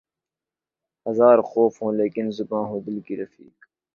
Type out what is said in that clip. ہزار خوف ہو لیکن زباں ہو دل کی رفیق